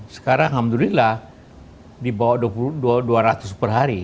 sekarang alhamdulillah dibawah dua ratus per hari